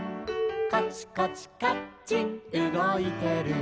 「コチコチカッチンうごいてる」